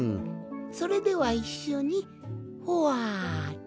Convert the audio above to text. それではいっしょにほわっとしようかの。